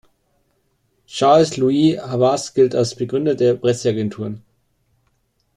Charles-Louis Havas gilt als Begründer der Presseagenturen.